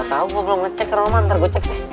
ga tau belum ngecek roman ntar gue cek deh